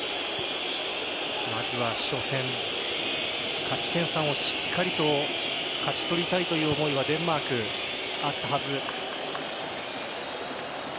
まずは初戦勝ち点３をしっかりと勝ち取りたいという思いはデンマーク、あったはず。